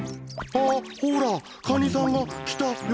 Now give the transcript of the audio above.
あっほらカニさんが来たよ！